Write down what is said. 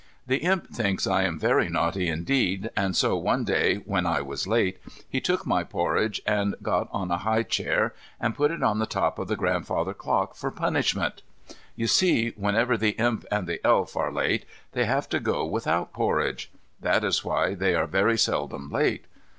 The Imp thinks I am very naughty indeed, and so one day, when I was late, he took my porridge, and got on a high chair, and put it on the top of the grandfather clock for a punishment. You see, whenever the Imp and the Elf are late they have to go without porridge. That is why they are very seldom late.